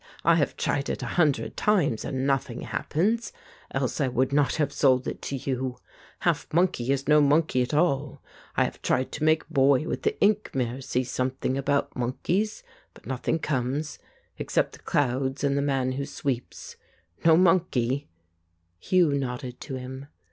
"I have tried it a hun dred times, and nothing happens. Else I would not have sold it you. Half monkey is no monkey at all. I have tried to make boy with the ink mirror see some thing about monkeys, but nothing comes, except the clouds and the man who sweeps. No monkey." 1 88 The Ape Hugh nodded to him.